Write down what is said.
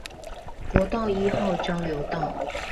國道一號交流道